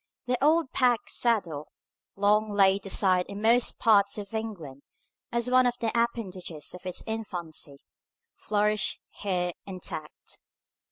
The old pack saddle, long laid aside in most parts of England as one of the appendages of its infancy, flourished here intact.